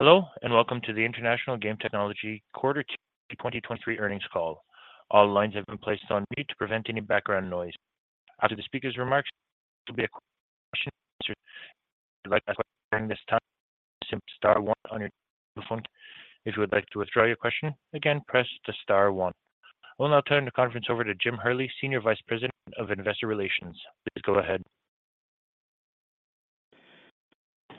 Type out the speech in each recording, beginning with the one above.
Hello, and welcome to the International Game Technology Q2 2023 earnings call. All lines have been placed on mute to prevent any background noise. After the speaker's remarks, there will be a question and answer. If you'd like to ask during this time, simply star one on your phone. If you would like to withdraw your question, again, press the star one. I will now turn the conference over to Jim Hurley, Senior Vice President of Investor Relations. Please go ahead.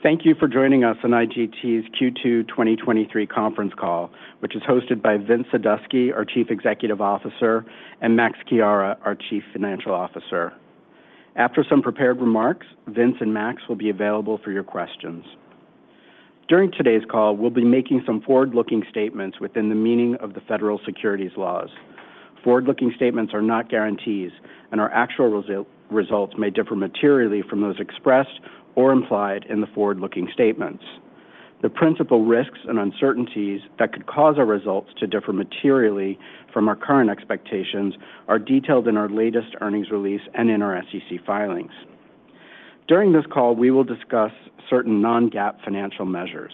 Thank you for joining us on IGT's Q2 2023 conference call, which is hosted by Vince Sadusky, our Chief Executive Officer, and Max Chiara, our Chief Financial Officer. After some prepared remarks, Vince and Max will be available for your questions. During today's call, we'll be making some forward-looking statements within the meaning of the Federal Securities laws. Forward-looking statements are not guarantees. Our actual results may differ materially from those expressed or implied in the forward-looking statements. The principal risks and uncertainties that could cause our results to differ materially from our current expectations are detailed in our latest earnings release and in our SEC filings. During this call, we will discuss certain non-GAAP financial measures.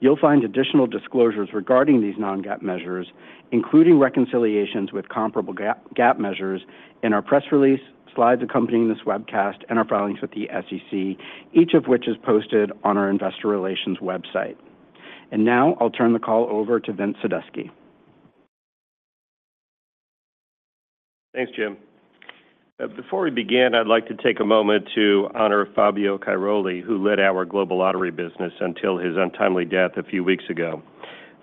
You'll find additional disclosures regarding these non-GAAP measures, including reconciliations with comparable GAAP measures in our press release, slides accompanying this webcast, and our filings with the SEC, each of which is posted on our investor relations website. Now I'll turn the call over to Vince Sadusky. Thanks, Jim. Before we begin, I'd like to take a moment to honor Fabio Cairoli, who led our global lottery business until his untimely death a few weeks ago.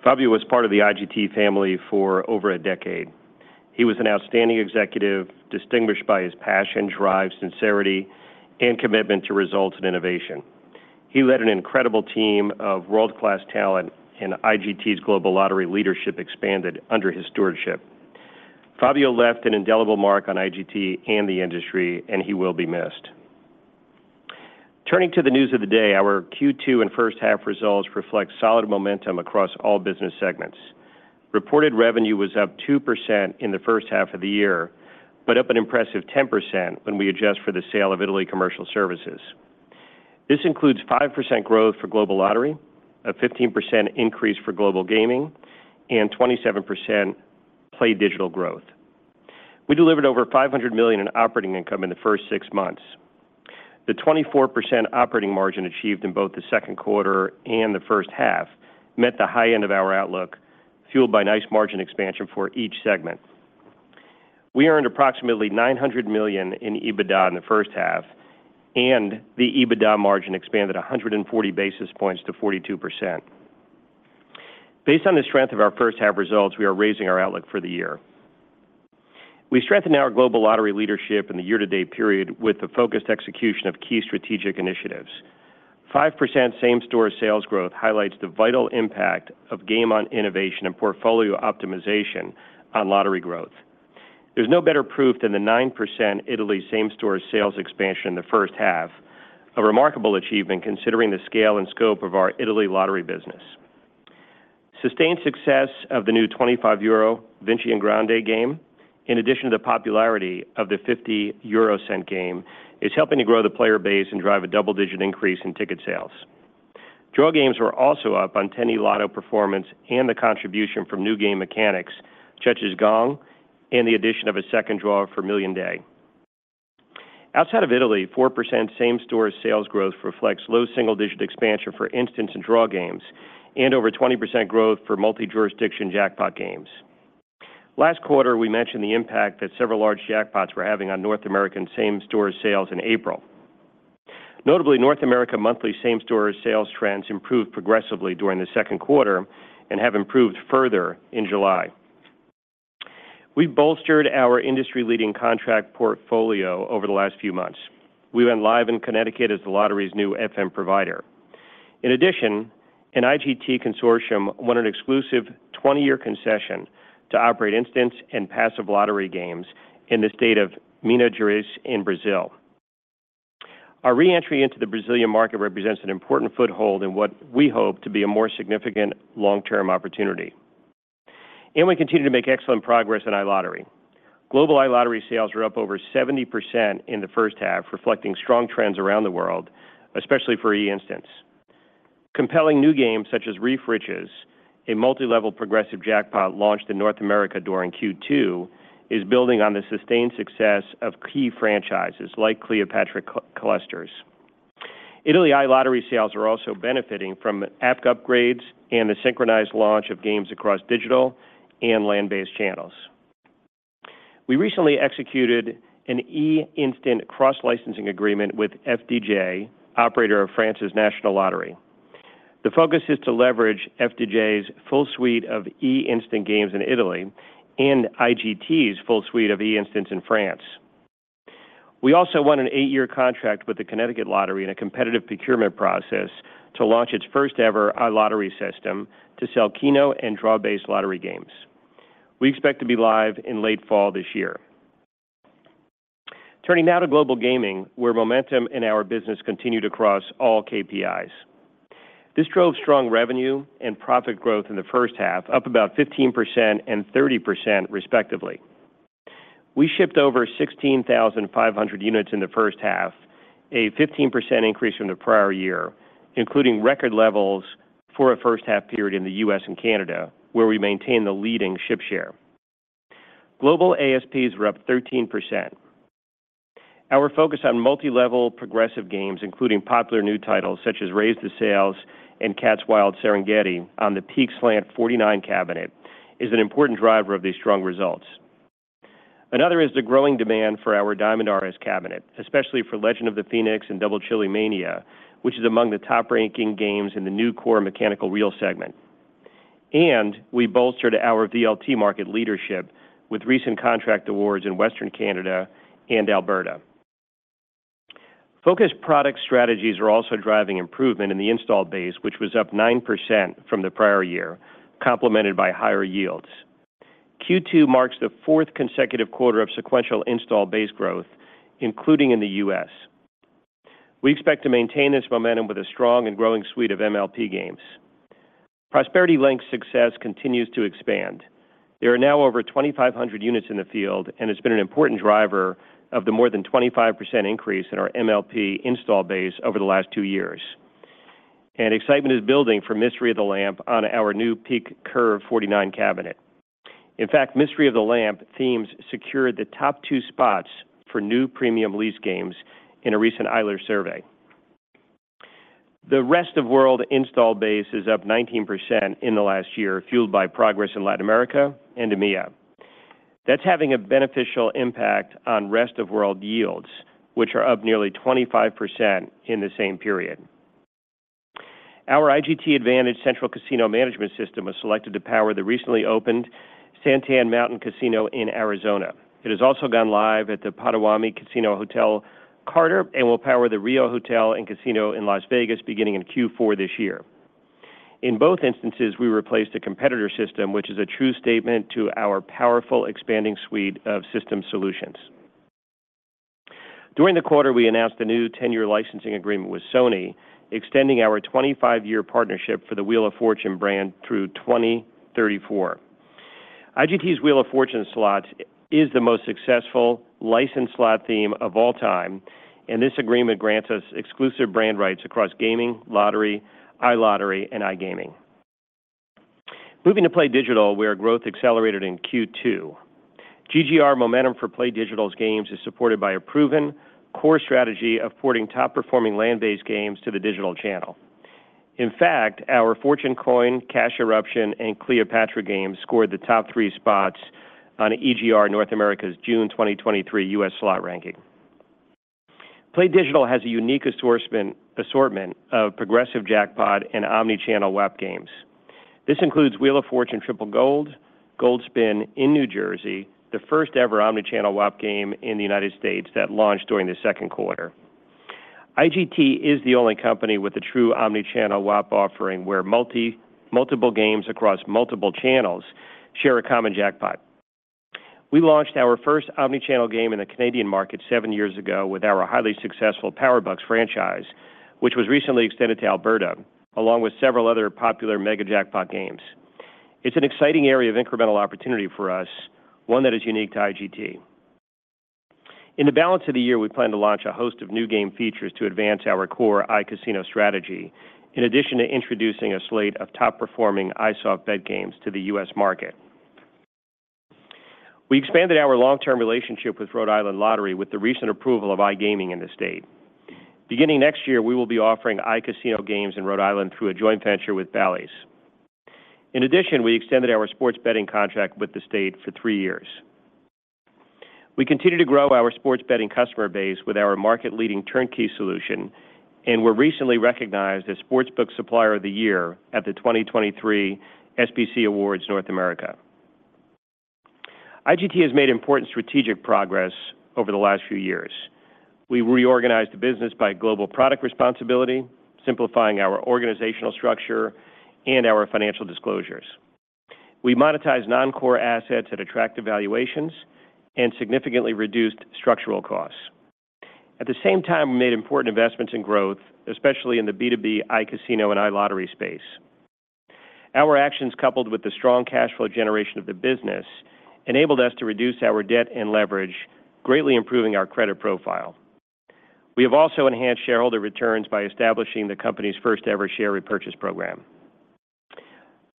Fabio was part of the IGT family for over a decade. He was an outstanding executive, distinguished by his passion, drive, sincerity, and commitment to results and innovation. He led an incredible team of world-class talent, and IGT's global lottery leadership expanded under his stewardship. Fabio left an indelible mark on IGT and the industry, and he will be missed. Turning to the news of the day, our Q2 and first half results reflect solid momentum across all business segments. Reported revenue was up 2% in the first half of the year, but up an impressive 10% when we adjust for the sale of Italy commercial service. This includes 5% growth for global lottery, a 15% increase for global gaming, and 27% PlayDigital growth. We delivered over $500 million in operating income in the first six months. The 24% operating margin achieved in both the second quarter and the first half met the high end of our outlook, fueled by nice margin expansion for each segment. We earned approximately $900 million in EBITDA in the first half, and the EBITDA margin expanded 140 basis points to 42%. Based on the strength of our first half results, we are raising our outlook for the year. We strengthened our global lottery leadership in the year-to-date period with the focused execution of key strategic initiatives. 5% same-store sales growth highlights the vital impact of game on innovation and portfolio optimization on lottery growth. There's no better proof than the 9% Italy same-store sales expansion in the first half, a remarkable achievement considering the scale and scope of our Italy lottery business. Sustained success of the new 25 euro Vinci in Grande game, in addition to the popularity of the 0.50 game, is helping to grow the player base and drive a double-digit increase in ticket sales. Draw games were also up on 10eLotto performance and the contribution from new game mechanics, such as Gong and the addition of a second draw for MillionDAY. Outside of Italy, 4% same-store sales growth reflects low single-digit expansion for instance and draw games, and over 20% growth for multi-jurisdiction jackpot games. Last quarter, we mentioned the impact that several large jackpots were having on North American same-store sales in April. Notably, North America monthly same-store sales trends improved progressively during the second quarter and have improved further in July. We've bolstered our industry-leading contract portfolio over the last few months. We went live in Connecticut as the lottery's new FM provider. In addition, an IGT consortium won an exclusive 20-year concession to operate instant and passive lottery games in the state of Minas Gerais in Brazil. Our re-entry into the Brazilian market represents an important foothold in what we hope to be a more significant long-term opportunity. We continue to make excellent progress in iLottery. Global iLottery sales are up over 70% in the first half, reflecting strong trends around the world, especially for eInstant. Compelling new games such as Reef of Riches, a multi-level progressive jackpot launched in North America during Q2, is building on the sustained success of key franchises like Cleopatra Clusters. Italy iLottery sales are also benefiting from app upgrades and the synchronized launch of games across digital and land-based channels. We recently executed an eInstant cross-licensing agreement with FDJ, operator of France's national lottery. The focus is to leverage FDJ's full suite of eInstant games in Italy and IGT's full suite of eInstant in France. We also won an eight-year contract with the Connecticut Lottery in a competitive procurement process to launch its first-ever iLottery system to sell Keno and draw-based lottery games. We expect to be live in late fall this year. Turning now to global gaming, where momentum in our business continued across all KPIs. This drove strong revenue and profit growth in the first half, up about 15% and 30%, respectively.... We shipped over 16,500 units in the first half, a 15% increase from the prior year, including record levels for a first-half period in the U.S. and Canada, where we maintain the leading ship share. Global ASPs were up 13%. Our focus on multi-level progressive games, including popular new titles such as Raise the Sails and Cats Wild Serengeti on the PeakSlant49 cabinet, is an important driver of these strong results. Another is the growing demand for our DiamondRS cabinet, especially for Legend of the Phoenix and Double Chili Mania, which is among the top-ranking games in the new core mechanical reel segment. We bolstered our VLT market leadership with recent contract awards in Western Canada and Alberta. Focused product strategies are also driving improvement in the installed base, which was up 9% from the prior year, complemented by higher yields. Q2 marks the fourth consecutive quarter of sequential install base growth, including in the US. We expect to maintain this momentum with a strong and growing suite of MLP games. Prosperity Link's success continues to expand. There are now over 2,500 units in the field, it's been an important driver of the more than 25% increase in our MLP install base over the last 2 years. Excitement is building for Mystery of the Lamp on our new PeakCurve49 cabinet. In fact, Mystery of the Lamp themes secured the top 2 spots for new premium lease games in a recent Eilers survey. The rest of world install base is up 19% in the last year, fueled by progress in Latin America and EMEA. That's having a beneficial impact on rest-of-world yields, which are up nearly 25% in the same period. Our IGT Advantage central casino management system was selected to power the recently opened San Tan Mountain Casino in Arizona. It has also gone live at the Potawatomi Casino Hotel Carter, and will power the Rio Hotel and Casino in Las Vegas beginning in Q4 this year. In both instances, we replaced a competitor system, which is a true statement to our powerful, expanding suite of system solutions. During the quarter, we announced a new 10-year licensing agreement with Sony, extending our 25-year partnership for the Wheel of Fortune brand through 2034. IGT's Wheel of Fortune slots is the most successful licensed slot theme of all time. This agreement grants us exclusive brand rights across gaming, lottery, iLottery, and iGaming. Moving to PlayDigital, where growth accelerated in Q2. GGR momentum for PlayDigital's games is supported by a proven core strategy of porting top-performing land-based games to the digital channel. In fact, our Fortune Coin, Cash Eruption, and Cleopatra games scored the top three spots on EGR North America's June 2023 U.S. slot ranking. PlayDigital has a unique assortment of progressive jackpot and omnichannel WAP games. This includes Wheel of Fortune Triple Gold Gold Spin in New Jersey, the first-ever omnichannel WAP game in the United States that launched during the second quarter. IGT is the only company with a true omnichannel WAP offering, where multiple games across multiple channels share a common jackpot. We launched our first omnichannel game in the Canadian market 7 years ago with our highly successful Powerbucks franchise, which was recently extended to Alberta, along with several other popular Mega Jackpot games. It's an exciting area of incremental opportunity for us, one that is unique to IGT. In the balance of the year, we plan to launch a host of new game features to advance our core iCasino strategy, in addition to introducing a slate of top-performing iSoftBet games to the U.S. market. We expanded our long-term relationship with Rhode Island Lottery with the recent approval of iGaming in the state. Beginning next year, we will be offering iCasino games in Rhode Island through a joint venture with Bally's. In addition, we extended our sports betting contract with the state for 3 years. We continue to grow our sports betting customer base with our market-leading turnkey solution, were recently recognized as Sportsbook Supplier of the Year at the 2023 SBC Awards North America. IGT has made important strategic progress over the last few years. We reorganized the business by global product responsibility, simplifying our organizational structure and our financial disclosures. We monetized non-core assets at attractive valuations and significantly reduced structural costs. At the same time, we made important investments in growth, especially in the B2B, iCasino, and iLottery space. Our actions, coupled with the strong cash flow generation of the business, enabled us to reduce our debt and leverage, greatly improving our credit profile. We have also enhanced shareholder returns by establishing the company's first-ever share repurchase program.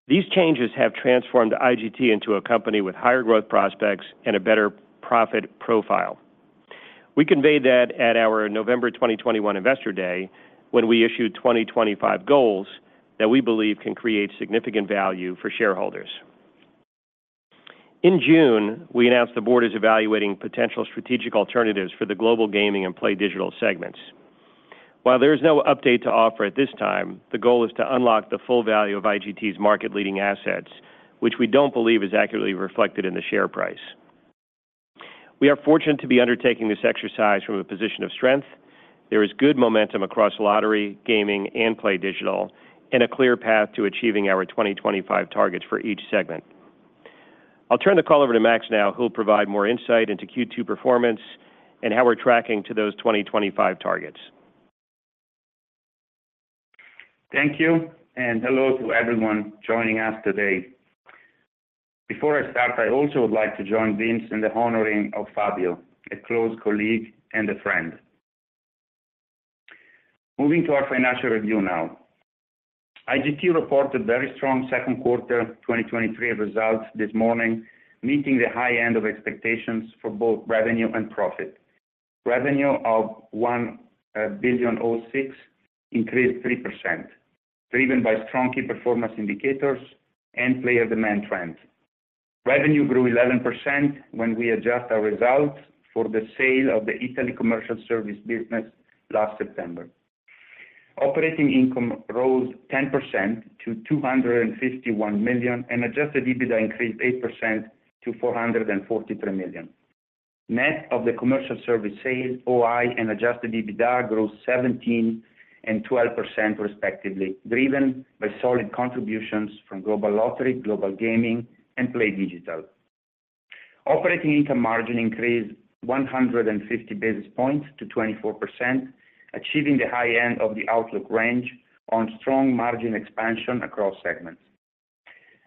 These changes have transformed IGT into a company with higher growth prospects and a better profit profile. We conveyed that at our November 2021 Investor Day, when we issued 2025 goals that we believe can create significant value for shareholders. In June, we announced the board is evaluating potential strategic alternatives for the global gaming and PlayDigital segments. While there is no update to offer at this time, the goal is to unlock the full value of IGT's market-leading assets, which we don't believe is accurately reflected in the share price. We are fortunate to be undertaking this exercise from a position of strength. There is good momentum across lottery, gaming, and PlayDigital, and a clear path to achieving our 2025 targets for each segment. I'll turn the call over to Max now, who will provide more insight into Q2 performance and how we're tracking to those 2025 targets. Thank you, and hello to everyone joining us today. Before I start, I also would like to join Vince in the honoring of Fabio, a close colleague and a friend. Moving to our financial review now. IGT reported very strong second quarter 2023 results this morning, meeting the high end of expectations for both revenue and profit. Revenue of $1.06 billion increased 3%, driven by strong key performance indicators and player demand trends. Revenue grew 11% when we adjust our results for the sale of the Italy commercial service business last September. Operating income rose 10% to $251 million, and adjusted EBITDA increased 8% to $443 million. Net of the commercial service sales, OI and adjusted EBITDA grew 17% and 12% respectively, driven by solid contributions from Global Lottery, Global Gaming, and IGT PlayDigital. Operating income margin increased 150 basis points to 24%, achieving the high end of the outlook range on strong margin expansion across segments.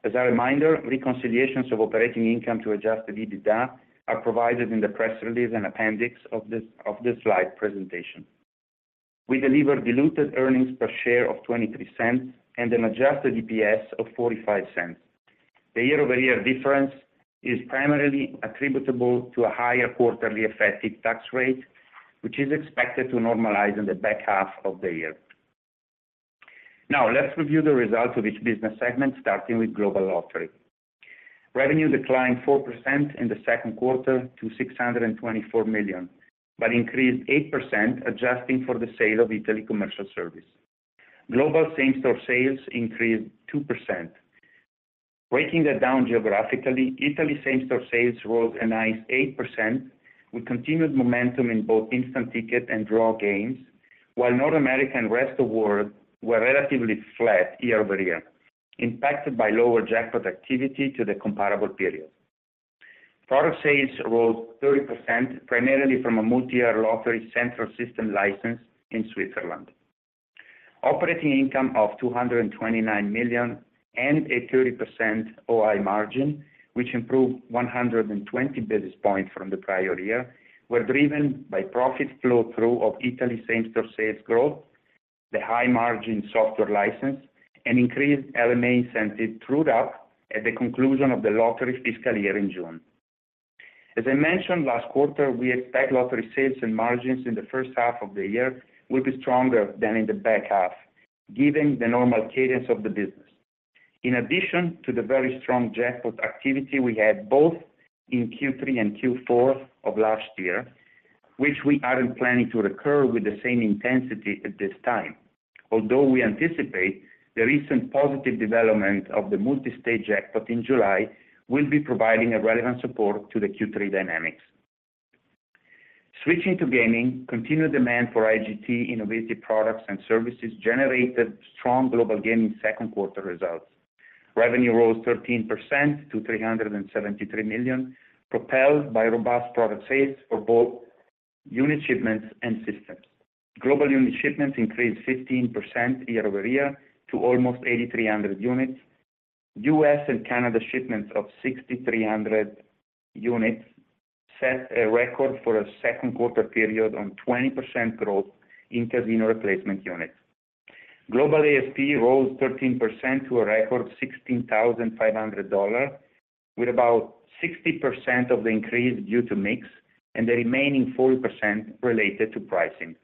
As a reminder, reconciliations of operating income to adjusted EBITDA are provided in the press release and appendix of this slide presentation. We delivered diluted earnings per share of $0.23 and an adjusted EPS of $0.45. The year-over-year difference is primarily attributable to a higher quarterly effective tax rate, which is expected to normalize in the back half of the year. Let's review the results of each business segment, starting with Global Lottery. Revenue declined 4% in the second quarter to $624 million, but increased 8% adjusting for the sale of Italy Commercial Service. Global same-store sales increased 2%. Breaking that down geographically, Italy same-store sales rose a nice 8%, with continued momentum in both instant ticket and draw games, while North America and rest of world were relatively flat year-over-year, impacted by lower jackpot activity to the comparable period. Product sales rose 30%, primarily from a multi-year lottery central system license in Switzerland. Operating income of 229 million and a 30% OI margin, which improved 120 basis points from the prior year, were driven by profit flow through of Italy same-store sales growth, the high-margin software license, and increased LMA incentives trued up at the conclusion of the lottery fiscal year in June. As I mentioned last quarter, we expect lottery sales and margins in the first half of the year will be stronger than in the back half, given the normal cadence of the business. In addition to the very strong jackpot activity we had both in Q3 and Q4 of last year, which we aren't planning to recur with the same intensity at this time. Although we anticipate the recent positive development of the multistage jackpot in July will be providing a relevant support to the Q3 dynamics. Switching to gaming, continued demand for IGT innovative products and services generated strong global gaming second quarter results. Revenue rose 13% to $373 million, propelled by robust product sales for both unit shipments and systems. Global unit shipments increased 15% year-over-year to almost 8,300 units. U.S. and Canada shipments of 6,300 units set a record for a second quarter period on 20% growth in casino replacement units. Global ASP rose 13% to a record $16,500, with about 60% of the increase due to mix and the remaining 40% related to pricing.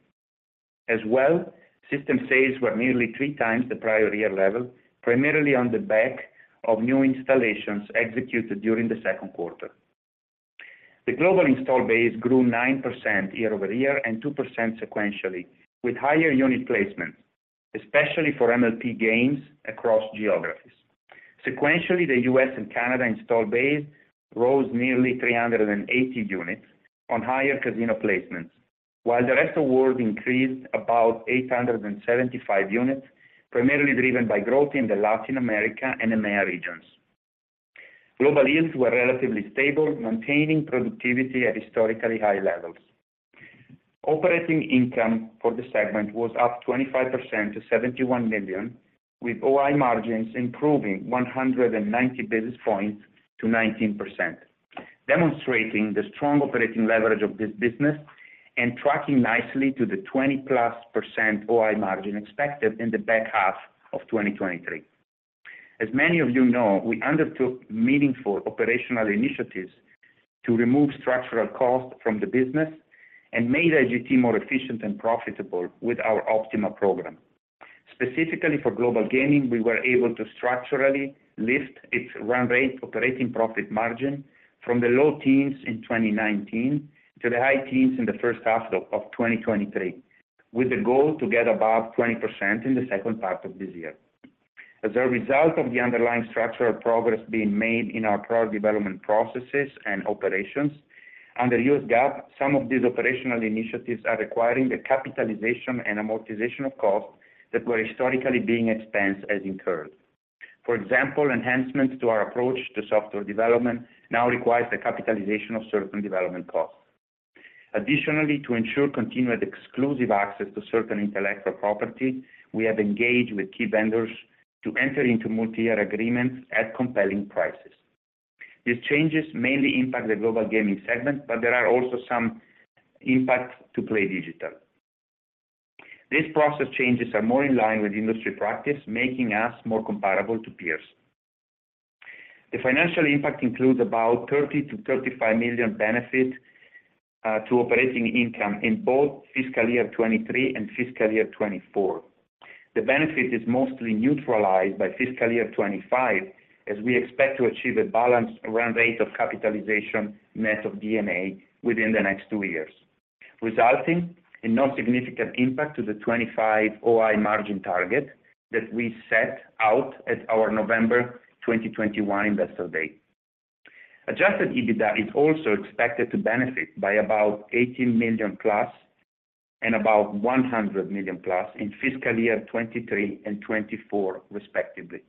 System sales were nearly 3 times the prior year level, primarily on the back of new installations executed during the second quarter. The global install base grew 9% year-over-year and 2% sequentially, with higher unit placements, especially for MLP games across geographies. Sequentially, the U.S. and Canada install base rose nearly 380 units on higher casino placements, while the rest of world increased about 875 units, primarily driven by growth in the Latin America and EMEA regions. Global yields were relatively stable, maintaining productivity at historically high levels. Operating income for the segment was up 25% to $71 million, with OI margins improving 190 basis points to 19%, demonstrating the strong operating leverage of this business and tracking nicely to the 20+% OI margin expected in the back half of 2023. As many of you know, we undertook meaningful operational initiatives to remove structural costs from the business and made IGT more efficient and profitable with our OPtiMa program. Specifically for global gaming, we were able to structurally lift its run rate operating profit margin from the low teens in 2019 to the high teens in the first half of 2023, with the goal to get above 20% in the second part of this year. As a result of the underlying structural progress being made in our product development processes and operations, under US GAAP, some of these operational initiatives are requiring the capitalization and amortization of costs that were historically being expensed as incurred. For example, enhancements to our approach to software development now requires the capitalization of certain development costs. Additionally, to ensure continued exclusive access to certain intellectual property, we have engaged with key vendors to enter into multi-year agreements at compelling prices. These changes mainly impact the global gaming segment, but there are also some impact to IGT PlayDigital. These process changes are more in line with industry practice, making us more comparable to peers. The financial impact includes about $30 million-$35 million benefit to operating income in both fiscal year 2023 and fiscal year 2024. The benefit is mostly neutralized by fiscal year 2025, as we expect to achieve a balanced run rate of capitalization net of D&A within the next two years, resulting in no significant impact to the 25 OI margin target that we set out at our November 2021 Investor Day. Adjusted EBITDA is also expected to benefit by about $18 million+ and about $100 million+ in fiscal year 2023 and 2024, respectively.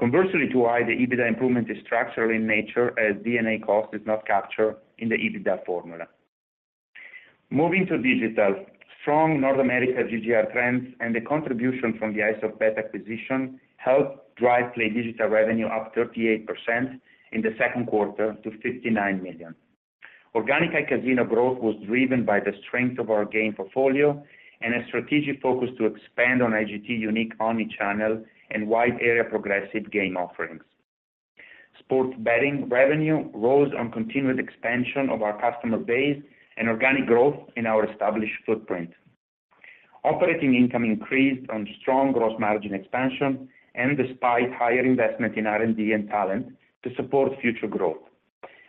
Conversely to why the EBITDA improvement is structural in nature, as D&A cost is not captured in the EBITDA formula. Moving to digital, strong North America GGR trends and the contribution from the iSoftBet acquisition, helped drive IGT PlayDigital revenue up 38% in the second quarter to $59 million. Organic iCasino growth was driven by the strength of our game portfolio and a strategic focus to expand on IGT unique omnichannel and wide area progressive game offerings. Sports betting revenue rose on continued expansion of our customer base and organic growth in our established footprint. Operating income increased on strong gross margin expansion and despite higher investment in R&D and talent to support future growth.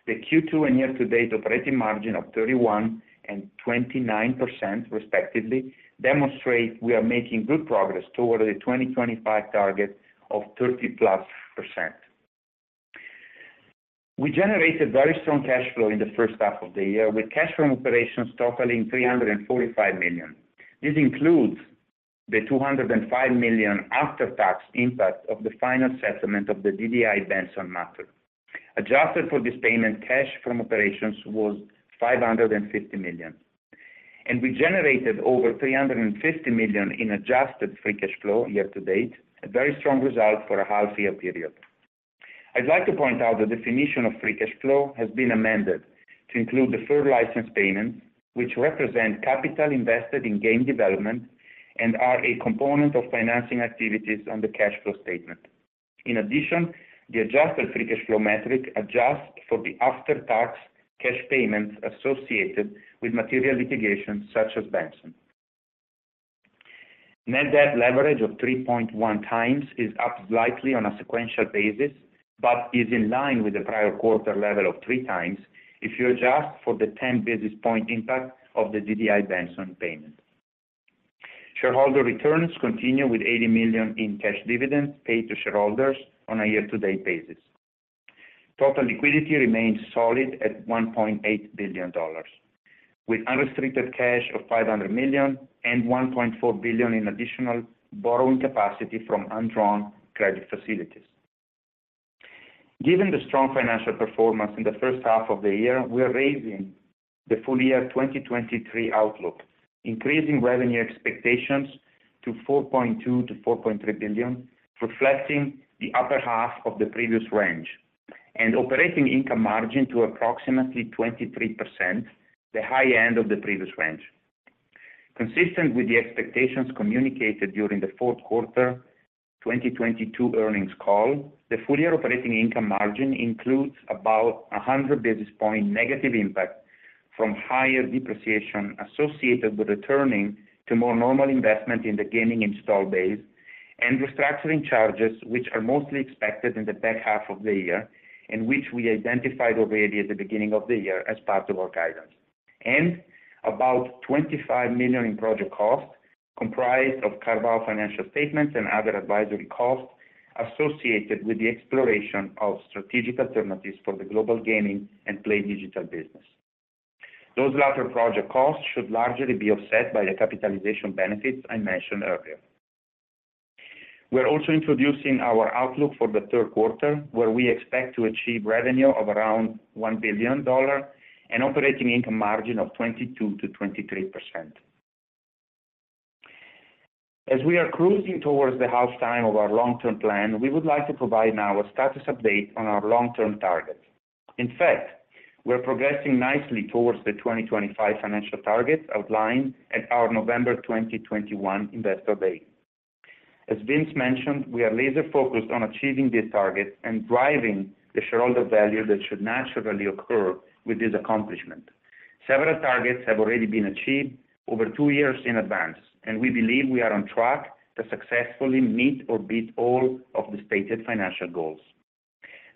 The Q2 and year-to-date operating margin of 31% and 29% respectively, demonstrate we are making good progress toward the 2025 target of 30+%. We generated very strong cash flow in the first half of the year, with cash from operations totaling $345 million. This includes the $205 million after-tax impact of the final settlement of the DDI/Benson matter. Adjusted for this payment, cash from operations was $550 million, and we generated over $350 million in adjusted free cash flow year to date, a very strong result for a half-year period. I'd like to point out the definition of free cash flow has been amended to include the third license payments, which represent capital invested in game development and are a component of financing activities on the cash flow statement. In addition, the adjusted free cash flow metric adjusts for the after-tax cash payments associated with material litigation such as Benson. Net debt leverage of 3.1 times is up slightly on a sequential basis, but is in line with the prior quarter level of 3 times if you adjust for the 10 basis point impact of the DDI Benson payment. Shareholder returns continue with $80 million in cash dividends paid to shareholders on a year-to-date basis. Total liquidity remains solid at $1.8 billion, with unrestricted cash of $500 million and $1.4 billion in additional borrowing capacity from undrawn credit facilities. Given the strong financial performance in the first half of the year, we are raising the full year 2023 outlook, increasing revenue expectations to $4.2 billion-$4.3 billion, reflecting the upper half of the previous range, and operating income margin to approximately 23%, the high end of the previous range. Consistent with the expectations communicated during the fourth quarter 2022 earnings call, the full-year operating income margin includes about a 100 basis point negative impact from higher depreciation associated with returning to more normal investment in the gaming install base and restructuring charges, which are mostly expected in the back half of the year, and which we identified already at the beginning of the year as part of our guidance. About $25 million in project costs, comprised of carve-out financial statements and other advisory costs associated with the exploration of strategic alternatives for the global gaming and PlayDigital business. Those latter project costs should largely be offset by the capitalization benefits I mentioned earlier. We're also introducing our outlook for the third quarter, where we expect to achieve revenue of around $1 billion and operating income margin of 22%-23%. As we are cruising towards the halftime of our long-term plan, we would like to provide now a status update on our long-term targets. We are progressing nicely towards the 2025 financial targets outlined at our November 2021 Investor Day. As Vince mentioned, we are laser-focused on achieving this target and driving the shareholder value that should naturally occur with this accomplishment. Several targets have already been achieved over 2 years in advance. We believe we are on track to successfully meet or beat all of the stated financial goals.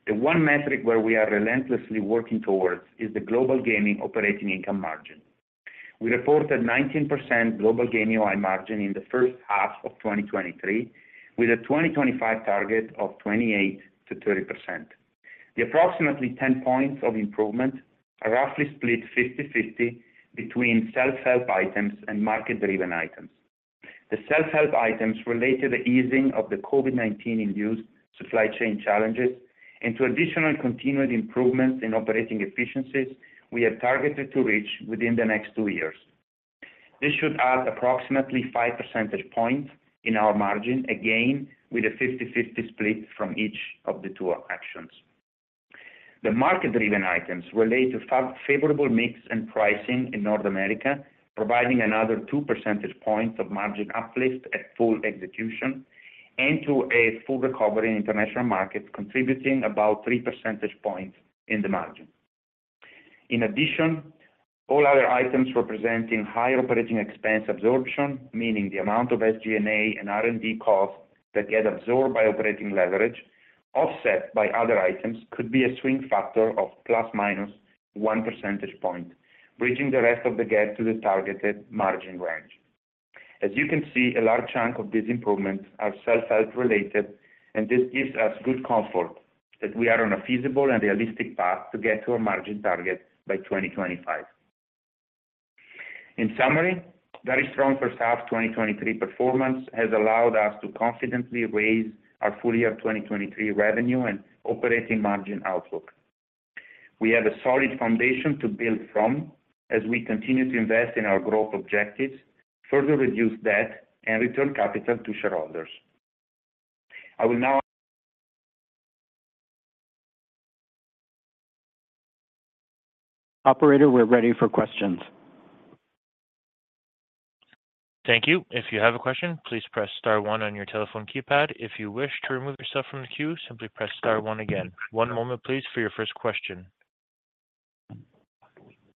The one metric where we are relentlessly working towards is the global gaming operating income margin. We reported 19% global gaming OI margin in the first half of 2023, with a 2025 target of 28%-30%. The approximately 10 points of improvement are roughly split 50/50 between self-help items and market-driven items. The self-help items relate to the easing of the COVID-19-induced supply chain challenges, and to additional continued improvements in operating efficiencies we have targeted to reach within the next 2 years. This should add approximately 5 percentage points in our margin, again, with a 50/50 split from each of the 2 actions. The market-driven items relate to favorable mix and pricing in North America, providing another 2 percentage points of margin uplift at full execution, and to a full recovery in international markets, contributing about 3 percentage points in the margin. In addition, all other items representing higher operating expense absorption, meaning the amount of SG&A and R&D costs that get absorbed by operating leverage, offset by other items, could be a swing factor of ±1 percentage point, bridging the rest of the gap to the targeted margin range. As you can see, a large chunk of these improvements are self-help related, and this gives us good comfort that we are on a feasible and realistic path to get to our margin target by 2025. In summary, very strong first half 2023 performance has allowed us to confidently raise our full year 2023 revenue and operating margin outlook. We have a solid foundation to build from as we continue to invest in our growth objectives, further reduce debt, and return capital to shareholders. I will now- Operator, we're ready for questions. Thank you. If you have a question, please press star one on your telephone keypad. If you wish to remove yourself from the queue, simply press star one again. One moment, please, for your first question.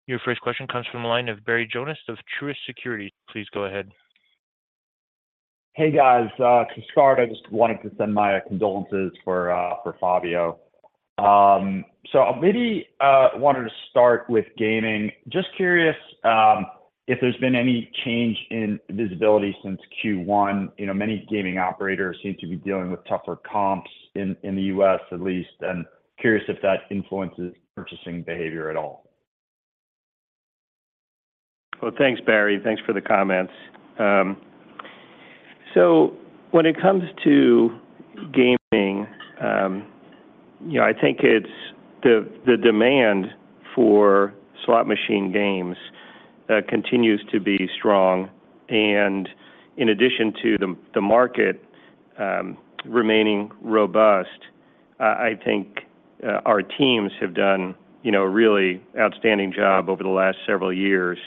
Your first question comes from the line of Barry Jonas of Truist Securities. Please go ahead. Hey, guys. to start, I just wanted to send my condolences for, for Fabio. I maybe, wanted to start with gaming. Just curious, if there's been any change in visibility since Q1. You know, many gaming operators seem to be dealing with tougher comps in, in the US at least, and curious if that influences purchasing behavior at all. Well, thanks, Barry. Thanks for the comments. When it comes to gaming, you know, I think it's the, the demand for slot machine games continues to be strong. In addition to the, the market remaining robust, I think our teams have done, you know, a really outstanding job over the last several years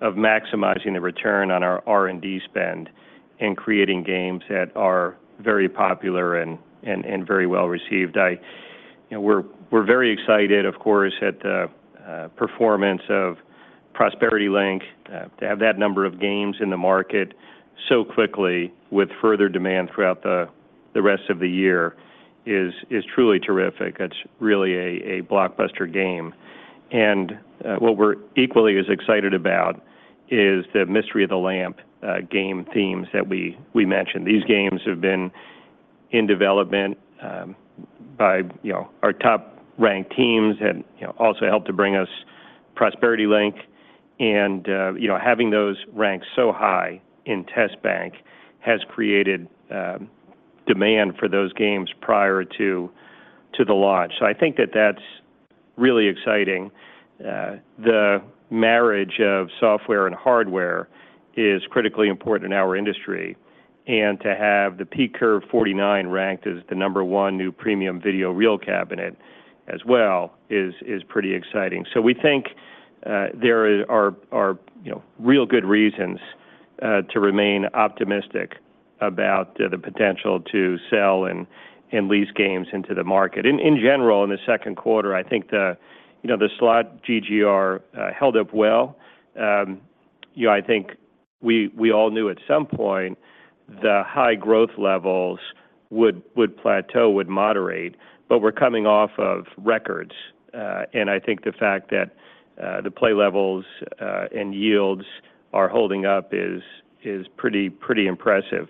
of maximizing the return on our R&D spend and creating games that are very popular and, and, and very well-received. You know, we're very excited, of course, at the performance of Prosperity Link. To have that number of games in the market so quickly, with further demand throughout the rest of the year is truly terrific. It's really a blockbuster game. What we're equally as excited about is the Mystery of the Lamp game themes that we mentioned. These games have been in development, by, you know, our top-ranked teams and, you know, also helped to bring us Prosperity Link. You know, having those ranked so high in test bank has created demand for those games prior to the launch. I think that that's really exciting. The marriage of software and hardware is critically important in our industry, and to have the PeakCurve 49 ranked as the number 1 new premium video reel cabinet as well, is, is pretty exciting. We think, there are, you know, real good reasons, to remain optimistic about the potential to sell and lease games into the market. In general, in the second quarter, I think the, you know, the slot GGR held up well. You know, I think we, we all knew at some point the high growth levels would, would plateau, would moderate, but we're coming off of records. I think the fact that the play levels and yields are holding up is, is pretty, pretty impressive.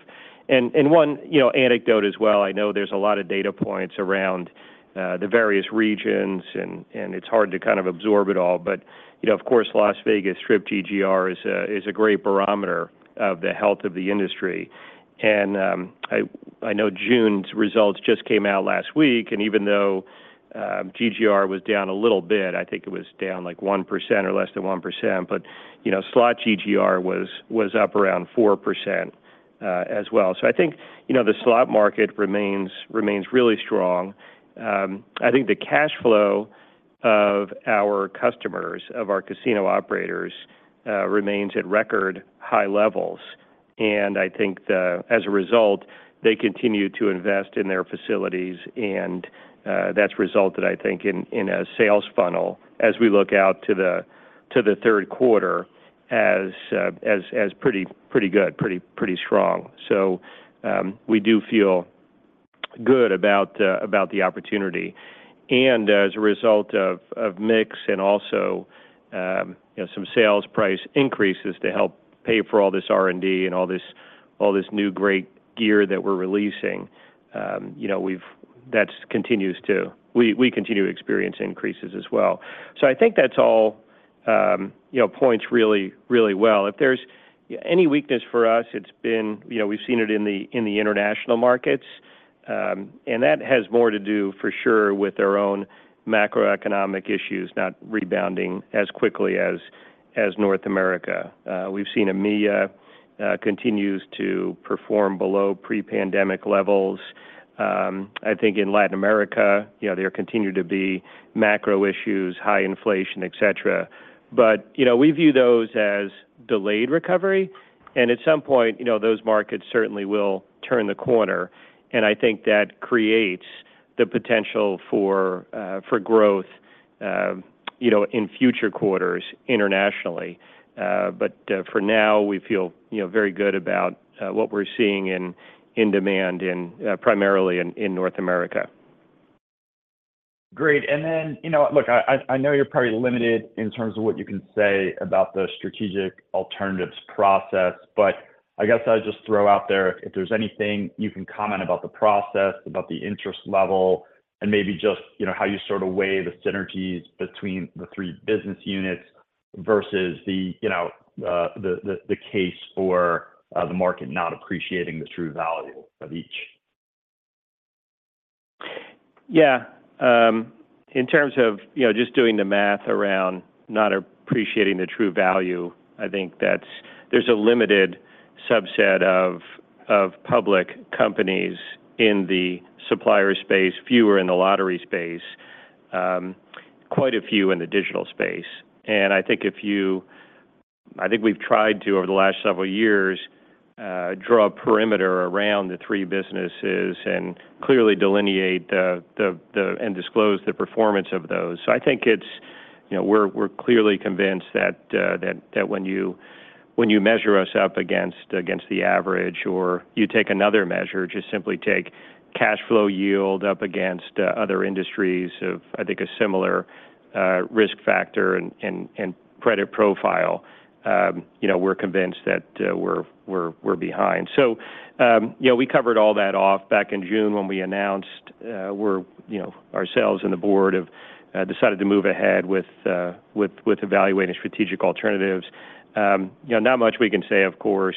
One, you know, anecdote as well, I know there's a lot of data points around the various regions and, and it's hard to kind of absorb it all, but, you know, of course, Las Vegas Strip GGR is a, is a great barometer of the health of the industry. I, I know June's results just came out last week, and even though GGR was down a little bit, I think it was down, like, 1% or less than 1%, but, you know, slot GGR was, was up around 4% as well. I think, you know, the slot market remains, remains really strong. I think the cash flow of our customers, of our casino operators, remains at record high levels, and I think as a result, they continue to invest in their facilities, and that's resulted, I think, in, in a sales funnel as we look out to the third quarter as, as, as pretty, pretty good, pretty, pretty strong. We do feel good about the opportunity. As a result of mix and also, you know, some sales price increases to help pay for all this R&D and all this, all this new great gear that we're releasing, you know, that's continues to... We continue to experience increases as well. I think that's, you know, points really, really well. If there's any weakness for us, it's been, you know, we've seen it in the international markets, and that has more to do for sure with our own macroeconomic issues, not rebounding as quickly as North America. We've seen EMEA continues to perform below pre-pandemic levels. I think in Latin America, you know, there continue to be macro issues, high inflation, et cetera. You know, we view those as delayed recovery, and at some point, you know, those markets certainly will turn the corner, and I think that creates the potential for growth, you know, in future quarters internationally. For now, we feel, you know, very good about what we're seeing in demand in primarily in North America. Great, you know what? Look, I, I, I know you're probably limited in terms of what you can say about the strategic alternatives process, but I guess I'll just throw out there if there's anything you can comment about the process, about the interest level, and maybe just, you know, how you sort of weigh the synergies between the three business units versus the, you know, the, the, the case for the market not appreciating the true value of each. Yeah. In terms of, you know, just doing the math around not appreciating the true value, I think there's a limited subset of, of public companies in the supplier space, fewer in the lottery space, quite a few in the digital space. I think we've tried to, over the last several years, draw a perimeter around the three businesses and clearly delineate and disclose the performance of those. I think it's, you know, we're, we're clearly convinced that when you measure us up against the average, or you take another measure, just simply take cash flow yield up against other industries of, I think, a similar risk factor and credit profile, you know, we're convinced that we're, we're, we're behind. You know, we covered all that off back in June when we announced, we're, you know, ourselves and the board have decided to move ahead with with evaluating strategic alternatives. You know, not much we can say, of course,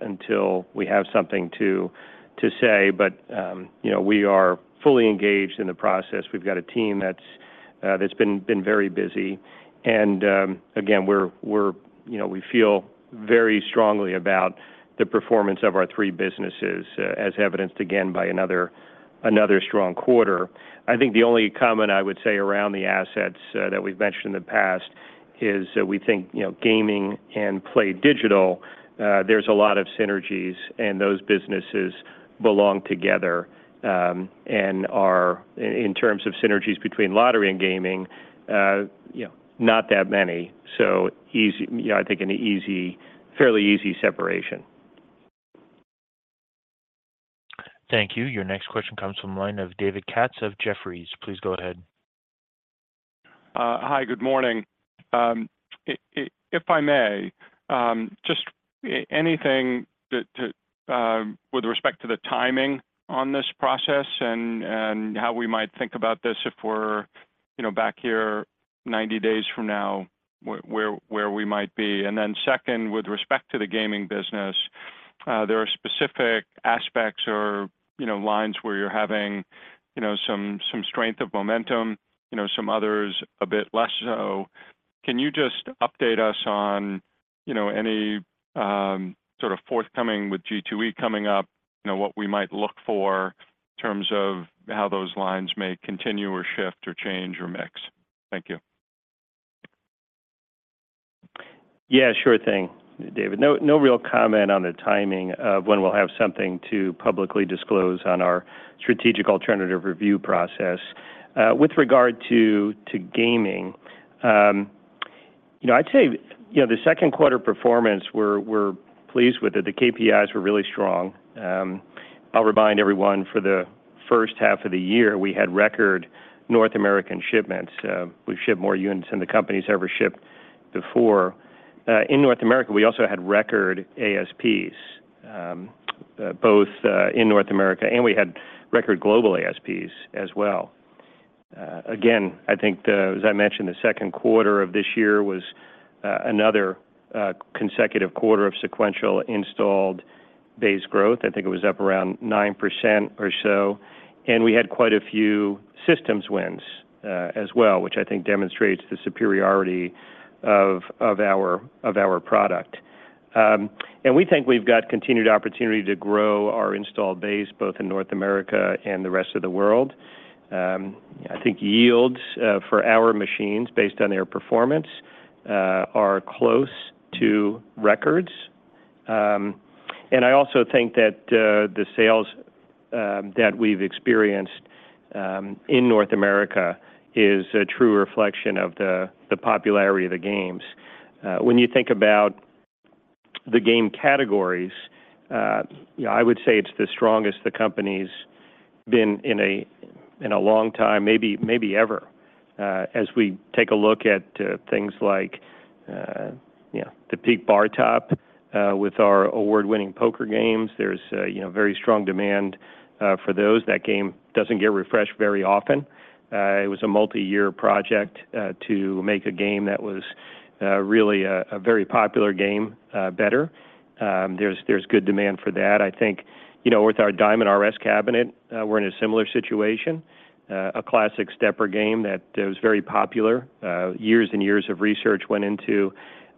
until we have something to say, but, you know, we are fully engaged in the process. We've got a team that's that's been, been very busy. Again, we're, we're you know, we feel very strongly about the performance of our three businesses, as evidenced again by another, another strong quarter. I think the only comment I would say around the assets, that we've mentioned in the past is that we think, you know, gaming and PlayDigital, there's a lot of synergies, and those businesses belong together, and are... In terms of synergies between lottery and gaming, you know, not that many. Easy, you know, I think an easy, fairly easy separation. Thank you. Your next question comes from the line of David Katz of Jefferies. Please go ahead. Hi, good morning. If I may, anything that, to... With respect to the timing on this process and how we might think about this if we're, you know, back here 90 days from now, where, where we might be? Then second, with respect to the gaming business, there are specific aspects or, you know, lines where you're having, you know, some, some strength of momentum, you know, some others, a bit less so. Can you just update us on, you know, any sort of forthcoming with G2E coming up, you know, what we might look for in terms of how those lines may continue, or shift, or change, or mix? Thank you. Yeah, sure thing, David. No, no real comment on the timing of when we'll have something to publicly disclose on our strategic alternative review process. With regard to, to gaming, you know, I'd say, you know, the second quarter performance, we're, we're pleased with it. The KPIs were really strong. I'll remind everyone, for the first half of the year, we had record North American shipments. We've shipped more units than the company's ever shipped before. In North America, we also had record ASPs, both in North America, and we had record global ASPs as well. Again, I think, as I mentioned, the second quarter of this year was another consecutive quarter of sequential installed base growth. I think it was up around 9% or so. We had quite a few systems wins as well, which I think demonstrates the superiority of our product. We think we've got continued opportunity to grow our installed base, both in North America and the rest of the world. I think yields for our machines, based on their performance, are close to records. I also think that the sales that we've experienced in North America is a true reflection of the popularity of the games. When you think about the game categories, you know, I would say it's the strongest the company's been in a, in a long time, maybe, maybe ever, as we take a look at things like, you know, the PeakBarTop with our award-winning poker games. There's a, you know, very strong demand for those. That game doesn't get refreshed very often. It was a multi-year project to make a game that was really a, a very popular game better. There's, there's good demand for that. I think, you know, with our DiamondRS cabinet, we're in a similar situation. A classic stepper game that was very popular. Years and years of research went into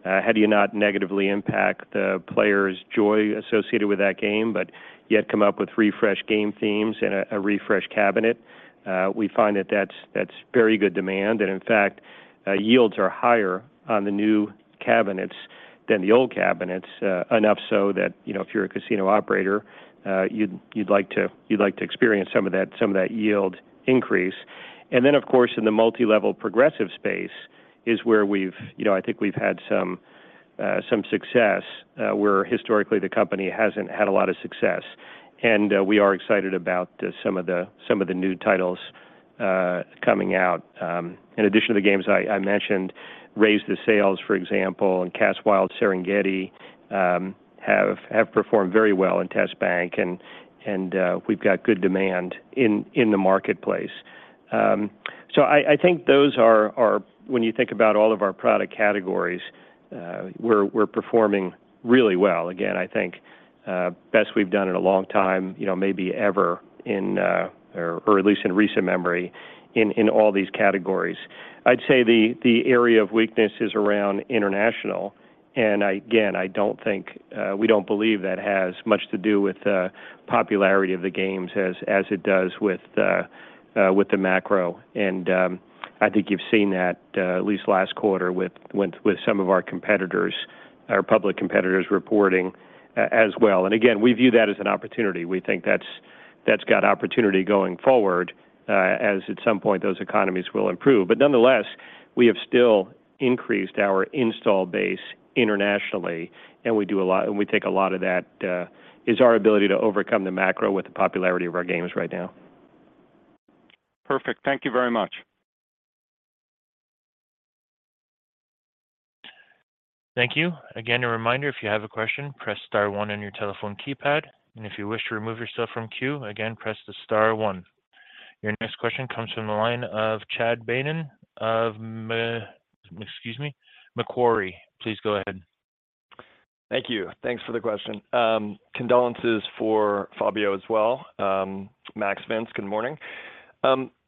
how do you not negatively impact the player's joy associated with that game, but yet come up with refreshed game themes and a, a refreshed cabinet? We find that that's, that's very good demand, and in fact, yields are higher on the new cabinets than the old cabinets, enough so that, you know, if you're a casino operator, you'd, you'd like to, you'd like to experience some of that, some of that yield increase. Then, of course, in the multi-level progressive space is where we've, you know, I think we've had some success where historically the company hasn't had a lot of success. We are excited about the, some of the, some of the new titles coming out. In addition to the games I, I mentioned, Raise the Sails, for example, and Cats Wild Serengeti, have, have performed very well in test bank and, and we've got good demand in, in the marketplace. I, I think those are, are when you think about all of our product categories, we're, we're performing really well. Again, I think, best we've done in a long time, you know, maybe ever in, or, or at least in recent memory in, in all these categories. I'd say the, the area of weakness is around international, and again, I don't think, we don't believe that has much to do with the popularity of the games as, as it does with the, with the macro. I think you've seen that, at least last quarter with, with, with some of our competitors, our public competitors reporting as well. Again, we view that as an opportunity. We think that's, that's got opportunity going forward, as at some point those economies will improve. Nonetheless, we have still increased our install base internationally, and we take a lot of that, is our ability to overcome the macro with the popularity of our games right now. Perfect. Thank you very much. Thank you. Again, a reminder, if you have a question, press star one on your telephone keypad, and if you wish to remove yourself from queue, again, press the star one. Your next question comes from the line of Chad Beynon of M- excuse me, Macquarie. Please go ahead. Thank you. Thanks for the question. Condolences for Fabio as well. Max Vince, good morning.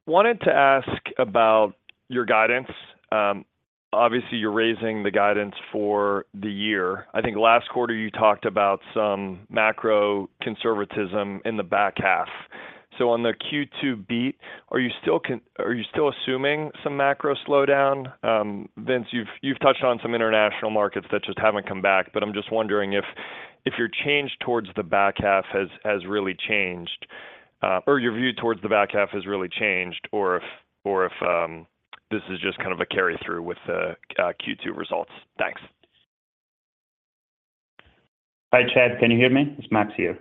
Wanted to ask about your guidance. Obviously, you're raising the guidance for the year. I think last quarter you talked about some macro conservatism in the back half. On the Q2 beat, are you still assuming some macro slowdown? Vince, you've, you've touched on some international markets that just haven't come back, but I'm just wondering if, if your change towards the back half has, has really changed, or your view towards the back half has really changed, or if, or if, this is just kind of a carry-through with the Q2 results. Thanks. Hi, Chad. Can you hear me? It's Max here.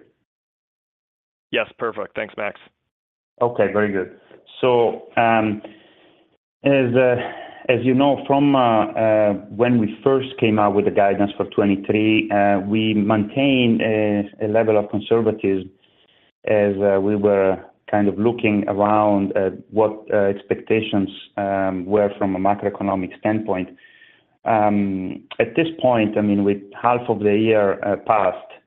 Yes, perfect. Thanks, Max. Okay, very good. As you know, from when we first came out with the guidance for 2023, we maintained a level of conservatism as we were kind of looking around at what expectations were from a macroeconomic standpoint. At this point, I mean, with half of the year passed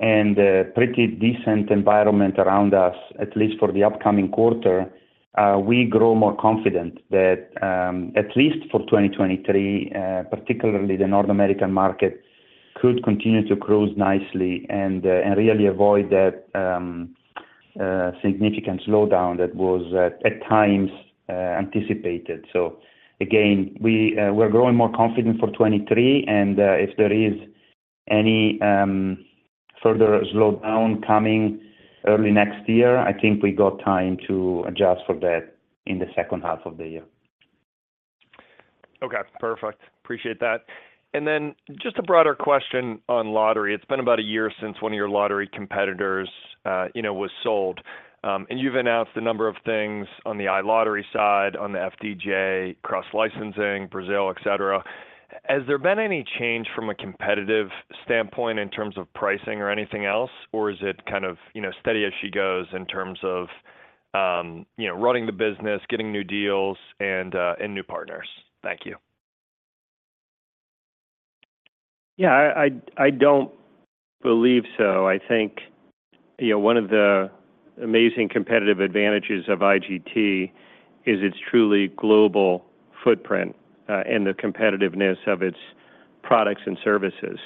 and a pretty decent environment around us, at least for the upcoming quarter, we grow more confident that, at least for 2023, particularly the North American market, could continue to close nicely and really avoid that significant slowdown that was at times anticipated. Again, we, we're growing more confident for 23, and, if there is any, further slowdown coming early next year, I think we got time to adjust for that in the second half of the year. Okay, perfect. Appreciate that. And then just a broader question on lottery. It's been about a year since one of your lottery competitors, you know, was sold. And you've announced a number of things on the iLottery side, on the FDJ, cross-licensing, Brazil, et cetera. Has there been any change from a competitive standpoint in terms of pricing or anything else, or is it kind of, you know, steady as she goes in terms of, you know, running the business, getting new deals and new partners? Thank you. Yeah, I, I, I don't believe so. I think, you know, one of the amazing competitive advantages of IGT is its truly global footprint, and the competitiveness of its products and services,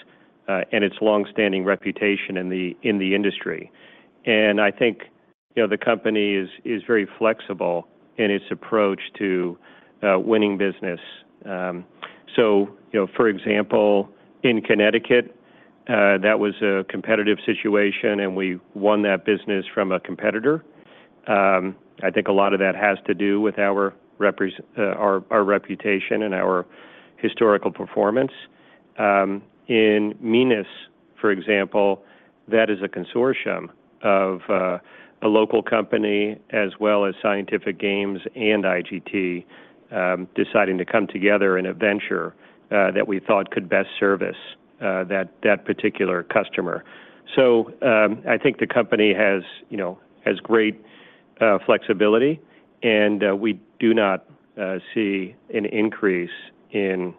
and its long-standing reputation in the, in the industry. And I think, you know, the company is, is very flexible in its approach to winning business. So, you know, for example, in Connecticut, that was a competitive situation, and we won that business from a competitor. I think a lot of that has to do with our reputation and our historical performance. In Minas Gerais, for example, that is a consortium of a local company as well as Scientific Games and IGT, deciding to come together in a venture that we thought could best service that, that particular customer. I think the company has, you know, flexibility, and we do not see an increase in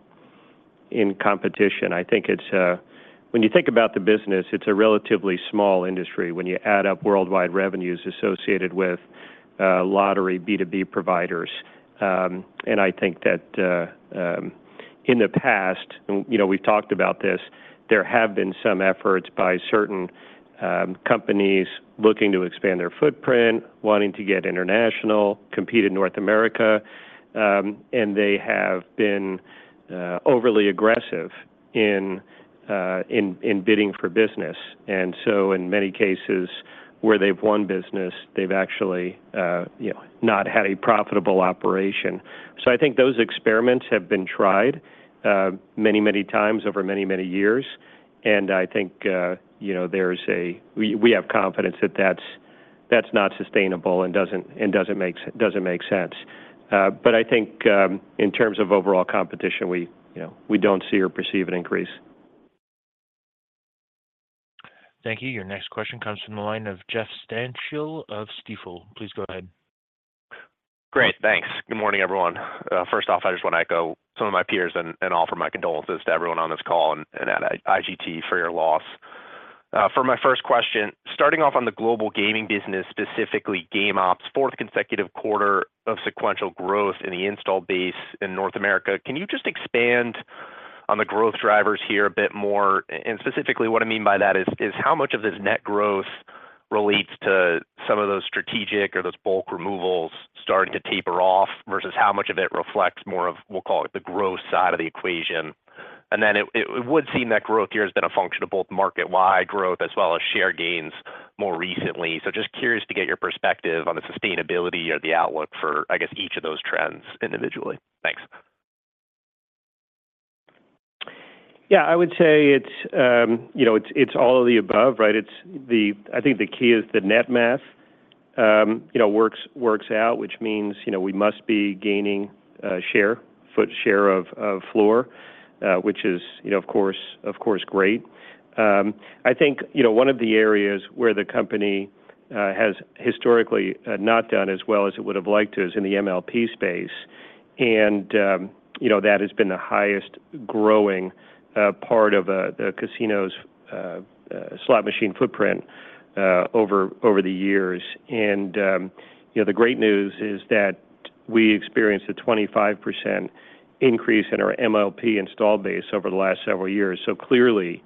competition. I think it's, when you think about the business, it's a relatively small industry. When you add up worldwide revenues associated with lottery B2B providers. I think that, in the past, and you know, we've talked about this, there have been some efforts by certain companies looking to expand their footprint, wanting to get international, compete in North America, and they have been overly aggressive in bidding for business. In many cases where they've won business, they've actually, you know, not had a profitable operation. I think those experiments have been tried, many, many times over many, many years, I think, you know, we have confidence that that's, that's not sustainable and doesn't, and doesn't make, doesn't make sense. I think, in terms of overall competition, we, you know, we don't see or perceive an increase. Thank you. Your next question comes from the line of Jeff Stancial of Stifel. Please go ahead. Great. Thanks. Good morning, everyone. First off, I just want to echo some of my peers and, and offer my condolences to everyone on this call and, and at IGT for your loss. For my first question, starting off on the global gaming business, specifically Game Ops, fourth consecutive quarter of sequential growth in the install base in North America, can you just expand on the growth drivers here a bit more? Specifically, what I mean by that is, is how much of this net growth relates to some of those strategic or those bulk removals starting to taper off versus how much of it reflects more of, we'll call it, the growth side of the equation? Then it, it would seem that growth here has been a function of both market-wide growth as well as share gains more recently. Just curious to get your perspective on the sustainability or the outlook for, I guess, each of those trends individually. Thanks. Yeah, I would say it's, you know, it's, it's all of the above, right? It's the. I think the key is the net math, you know, works, works out, which means, you know, we must be gaining share, foot share of, of floor, which is, you know, of course, of course, great. I think, you know, one of the areas where the company has historically not done as well as it would have liked to is in the MLP space, and, you know, that has been the highest growing part of the casino's slot machine footprint over the years. You know, the great news is that we experienced a 25% increase in our MLP install base over the last several years. Clearly,